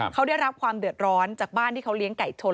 เขาได้รับความเดือดร้อนจากบ้านที่เขาเลี้ยงไก่ชน